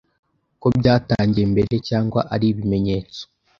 ko byatangiye mbere cyangwa ari ibimenyetso